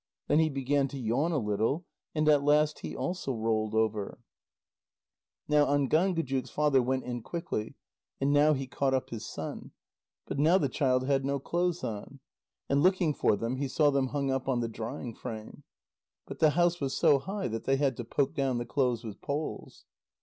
Then he began to yawn a little, and at last he also rolled over. Now Ángángujuk's father went in quickly, and now he caught up his son. But now the child had no clothes on. And looking for them, he saw them hung up on the drying frame. But the house was so high that they had to poke down the clothes with poles.